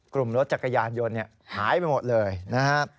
กลุ่มรถจักรยานยนต์เนี่ยหายไปหมดเลยนะฮะ